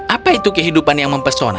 apa itu kehidupan yang mempesona